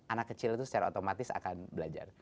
anak kecil itu secara otomatis akan belajar